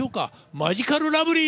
マヂカルラブリー